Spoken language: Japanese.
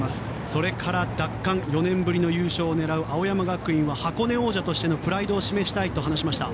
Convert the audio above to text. それから奪還４年ぶりの優勝を狙う青山学院は箱根王者としてのプライドを示したいと話しました。